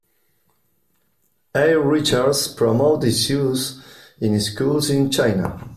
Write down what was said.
A. Richards promoted its use in schools in China.